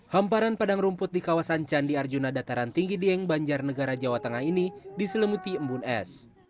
hamparan padang rumput di kawasan candi arjuna dataran tinggi dieng banjar negara jawa tengah ini diselemuti embun es